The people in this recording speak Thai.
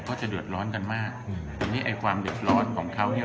ก็จะเดือดร้อนกันมากอืมทีนี้ไอ้ความเดือดร้อนของเขาเนี่ย